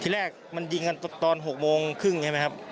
แรกมันยิงกันตอน๖โมงครึ่งใช่ไหมครับ